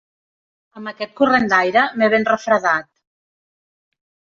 Amb aquest corrent d'aire m'he ben refredat.